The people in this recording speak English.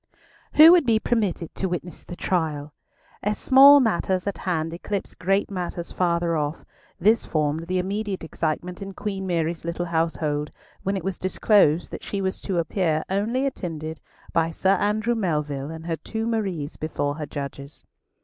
Who would be permitted to witness the trial? As small matters at hand eclipse great matters farther off, this formed the immediate excitement in Queen Mary's little household, when it was disclosed that she was to appear only attended by Sir Andrew Melville and her two Maries before her judges.